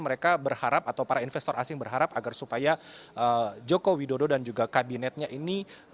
mereka berharap atau para investor asing berharap agar supaya joko widodo dan juga kabinetnya ini